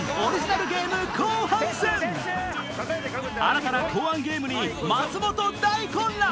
新たな考案ゲームに松本大混乱！